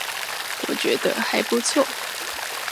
我覺得還不錯